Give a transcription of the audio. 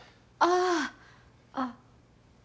あああっ。